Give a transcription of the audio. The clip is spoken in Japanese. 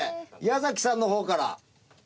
矢崎さんの方から。